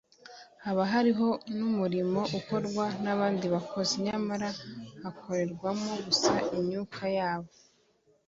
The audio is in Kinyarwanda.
haba hariho n’umurimo ukorwa n’abandi bakozi nyamara bakorerwamo gusa n’imyuka iyobya